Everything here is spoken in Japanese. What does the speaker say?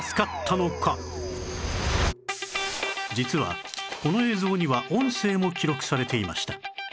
実はこの映像には音声も記録されていました